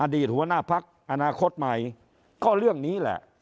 หัวหน้าพักอนาคตใหม่ก็เรื่องนี้แหละ